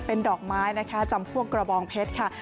เป็นดอกไม้นะคะจำพวกกระบองเพชรค่ะ